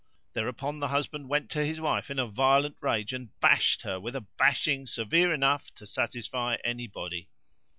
Thereupon the husband went to his wife in a violent rage and bashed her with a bashing severe enough to satisfy any body.